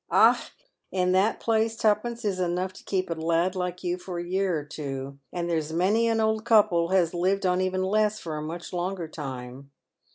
Ah ! in that place twopence is enough to keep a lad like you for a year or two, and there's many an old couple has lived on even less for a much longer time.